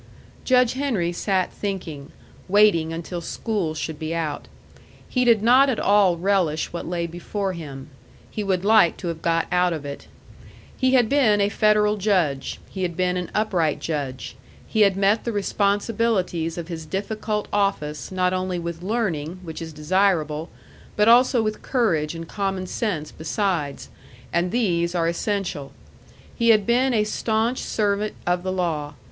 Judge Henry sat thinking, waiting until school should be out. He did not at all relish what lay before him. He would like to have got out of it. He had been a federal judge; he had been an upright judge; he had met the responsibilities of his difficult office not only with learning, which is desirable, but also with courage and common sense besides, and these are essential. He had been a stanch servant of the law.